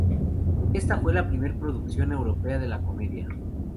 Esta fue la primera producción europea de la comedia.